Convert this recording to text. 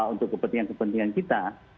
untuk kepentingan kepentingan kita